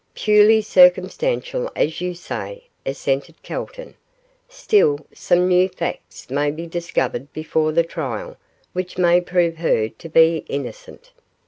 'Purely circumstantial, as you say,' assented Calton; 'still, some new facts may be discovered before the trial which may prove her to be innocent.